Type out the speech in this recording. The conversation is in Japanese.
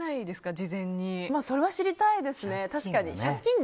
それは知りたいですね